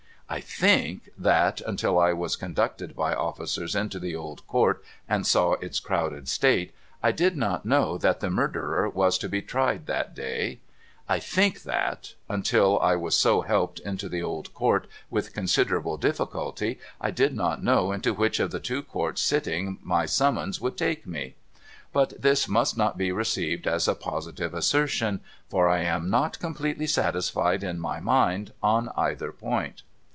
I think that, until I was conducted by officers into the Old Court and saw its crowded state, I did not know that the Murderer was to be tried that day. I iJiitik that, until I was so heli)ed into the Old Court with considerable difficulty, I did not know into which of the two Courts sitting my summons would take me. But this must not be received as a ])Ositive assertion, for I am not completely satisfied in my mind on either point.'